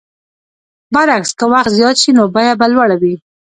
برعکس که وخت زیات شي نو بیه به لوړه وي.